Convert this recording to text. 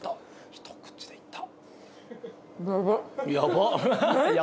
・・ひと口でいった！